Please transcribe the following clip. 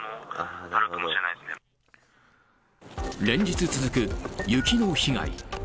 連日続く雪の被害。